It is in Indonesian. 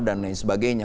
dan lain sebagainya